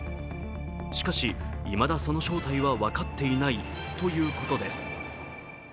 しかし、いまだその正体は分かっていないということです。